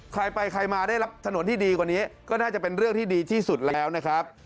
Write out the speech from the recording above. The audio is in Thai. ใครไปใครมาได้รับถนนที่ดีกว่านี้ก็น่าจะเป็นเรื่องที่ดีที่สุดแล้วนะครับ